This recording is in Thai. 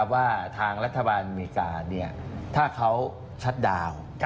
ว่าทางรัฐบาลอเมริกาถ้าเขาชัดดาวน์